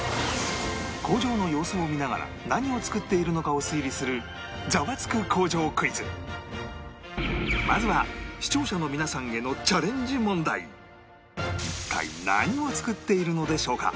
工場の様子を見ながら何を作っているのかを推理するまずは視聴者の皆さんへの一体何を作っているのでしょうか？